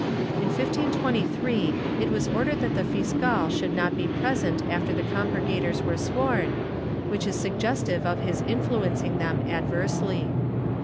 In 1523 it was ordered that the fiscal should not be present after the compurgators were sworn, which is suggestive of his influencing them adversely.